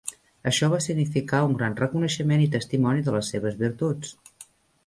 Això va significar un gran reconeixement i testimoni de les seves virtuts.